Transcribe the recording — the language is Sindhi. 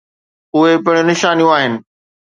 اهي پڻ نشانيون آهن.